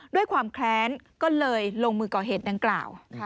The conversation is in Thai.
ด้วยความแค้นก็เลยลงมือก่อเหตุดังกล่าว